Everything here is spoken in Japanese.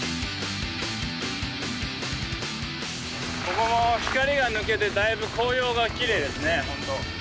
ここも光が抜けてだいぶ紅葉がきれいですね本当。